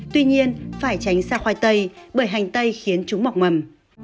tuy nhiên phải tránh xa khoai tây bởi hành tây khiến chúng mọc mầm